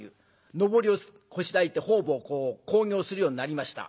のぼりをこしらえて方々興行するようになりました。